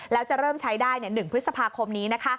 แล้วจะเริ่มใช้ได้๑พฤษภาคมนี้